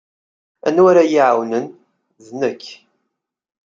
Anwa ara iyi-iɛawnen? D nekk.